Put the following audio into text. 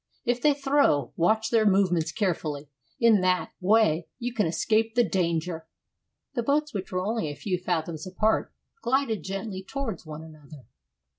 If they throw, watch their movements carefully; in that way you can escape the danger." The boats, which were only a few fathoms apart, glided gently towards one another.